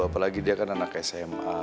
apalagi dia kan anak sma